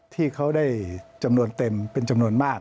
ที่เขาได้จำนวนเต็มเป็นจำนวนมาก